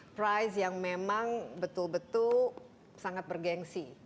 prize yang memang betul betul sangat bergensi